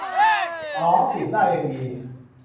อ่อ ปิดได้ ยังดี